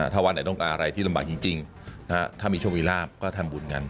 ถ้าวันไหนต้องการอะไรที่ลำบากจริงถ้ามีโชคมีลาบก็ทำบุญกัน